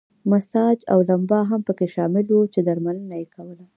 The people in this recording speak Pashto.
مساج او لمبا هم پکې شامل وو چې درملنه یې کوله.